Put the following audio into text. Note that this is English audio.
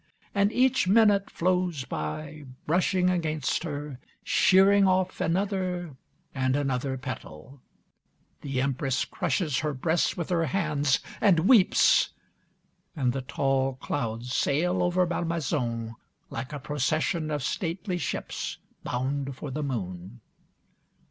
And each minute flows by brushing against her, shearing off another and another petal. The Empress crushes her breasts with her hands and weeps. And the tall clouds sail over Malmaison like a procession of stately ships bound for the moon.